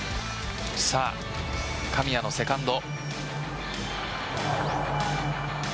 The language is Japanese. さあ神谷のセカンド。